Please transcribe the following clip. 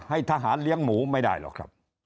ทหารเลี้ยงหมูไม่ได้หรอกครับ